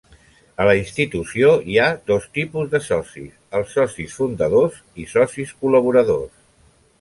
A la Institució hi ha dos tipus de socis, els socis fundadors i socis col·laboradors.